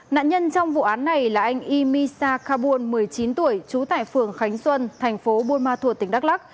nạn nhân trong vụ án này là anh imi sa kabul một mươi chín tuổi trú tại phường khánh xuân thành phố buôn ma thuột tỉnh đắk lắc